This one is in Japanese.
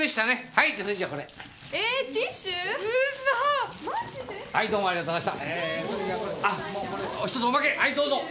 はいどうぞ！